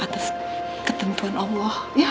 atas ketentuan allah